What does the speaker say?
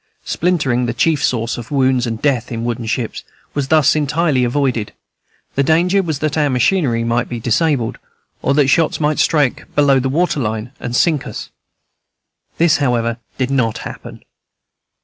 Splintering, the chief source of wounds and death in wooden ships, was thus entirely avoided; the danger was that our machinery might be disabled, or that shots might strike below the water line and sink us. This, however, did not happen.